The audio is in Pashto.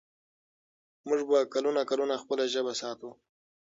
موږ به کلونه کلونه خپله ژبه ساتو.